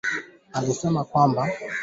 Sitaweza kurejea kuishi katika jamii hiyo